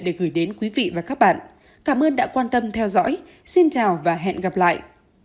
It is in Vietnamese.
đến quý vị và các bạn cảm ơn đã quan tâm theo dõi xin chào và hẹn gặp lại